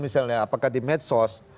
misalnya apakah di medsos